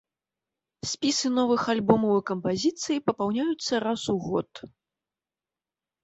Спісы новых альбомаў і кампазіцый папаўняюцца раз у год.